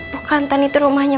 bukan tan itu rumahnya